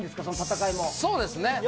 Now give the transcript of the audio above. そうですね。